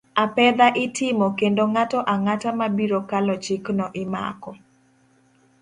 Apedha itimo kendo ng'ato ang'ata mabiro kalo chikno imako.